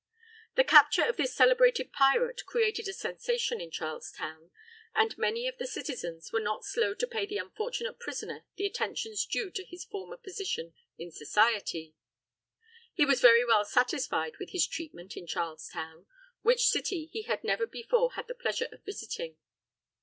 The capture of this celebrated pirate created a sensation in Charles Town, and many of the citizens were not slow to pay the unfortunate prisoner the attentions due to his former position in society. He was very well satisfied with his treatment in Charles Town, which city he had never before had the pleasure of visiting.